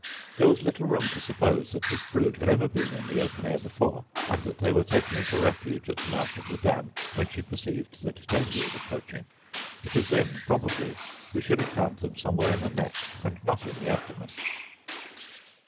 There was little room to suppose that this brood had ever been in the open air before; and that they were taken in for refuge, at the mouth of the dam, when she perceived that danger was approaching; because then probably we should have found them somewhere in the neck, and not in the abdomen.